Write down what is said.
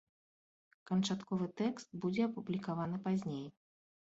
Канчатковы тэкст будзе апублікаваны пазней.